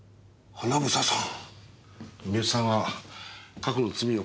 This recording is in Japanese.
英さん